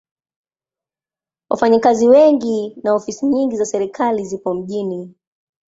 Wafanyakazi wengi na ofisi nyingi za serikali zipo mjini.